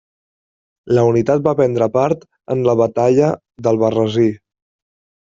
La unitat va prendre part en la batalla d'Albarrasí.